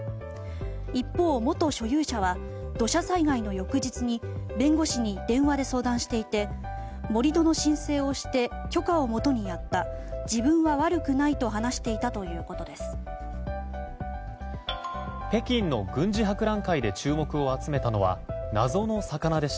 一方、元所有者は土砂災害の翌日に弁護士に電話で相談していて盛り土の申請をして許可をもとにやった自分は悪くないと話していたということです。